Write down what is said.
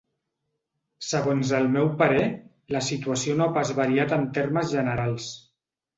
Segons el meu parer, la situació no ha pas variat en termes generals.